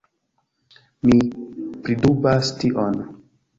Mi pridubas tion.